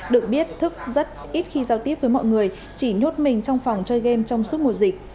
được biết thức rất ít khi giao tiếp với mọi người chỉ nhốt mình trong phòng chơi game trong suốt mùa dịch